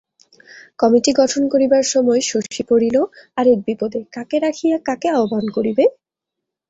Committee গঠন করিবার সময় শশী পড়িল আর এক বিপদে কাকে রাখিয়া কাকে আহবান করিবে?